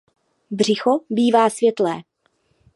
Břicho bývá světlé.